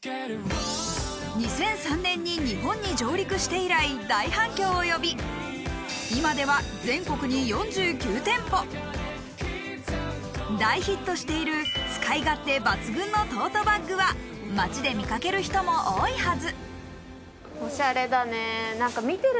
以来大反響を呼び今では大ヒットしている使い勝手抜群のトートバッグは街で見掛ける人も多いはず